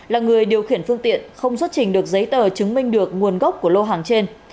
là người điều khiển phương tiện không xuất trình được giấy tờ chứng minh được nguồn gốc của lô hàng trên